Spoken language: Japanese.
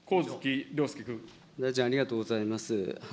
大臣、ありがとうございます。